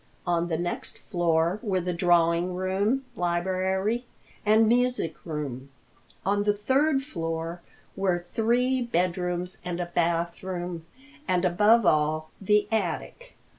On the next floor were the drawing room, library and music room. On the third floor were three bed rooms and a bath room, and above all, the attic.